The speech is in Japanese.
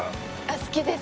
好きです。